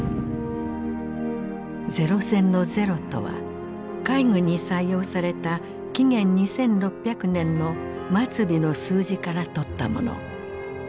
零戦の零とは海軍に採用された紀元２６００年の末尾の数字からとったもの。